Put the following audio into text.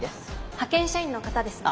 派遣社員の方ですね。